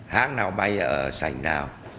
hãng nào bay ở sảnh nào